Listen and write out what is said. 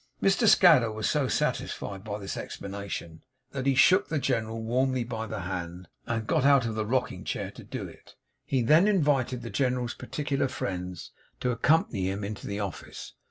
Mr Scadder was so satisfied by this explanation, that he shook the General warmly by the hand, and got out of the rocking chair to do it. He then invited the General's particular friends to accompany him into the office.